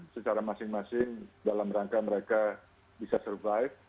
secara masing masing dalam rangka mereka bisa survive